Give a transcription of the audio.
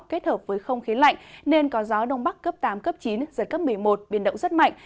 kết hợp với không khí lạnh nên có gió đông bắc cấp tám cấp chín giật cấp một mươi một biển động rất mạnh